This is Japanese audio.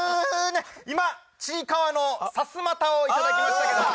今ちいかわのさすまたを頂きましたけども。